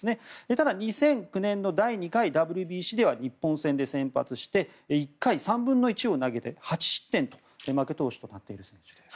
ただ２００９年の第２回ＷＢＣでは日本戦で先発して１回３分の１を投げて８失点で負け投手となっている選手です。